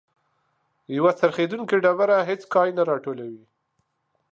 یو څرخیدونکی ډبره هیڅ کای نه راټولوي.